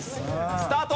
スタート！